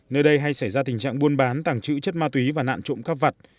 nơi đây hay xảy ra tình trạng buôn bán tàng trữ chất ma túy và nạn trụng các vật